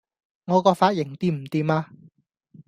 我個髮型掂唔掂呀?